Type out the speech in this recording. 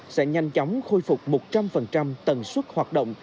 sẽ nhanh chóng khôi phục một trăm linh tần suất hoạt động